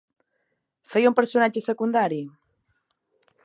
Feia d'un personatge secundari?